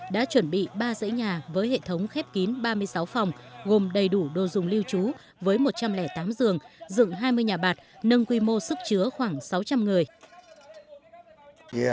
đã chuẩn bị ba dãy nhà với hệ thống khép kín ba mươi sáu phòng gồm đầy đủ đồ dùng lưu trú với một trăm linh tám giường dựng hai mươi nhà bạc nâng quy mô sức chứa khoảng sáu trăm linh người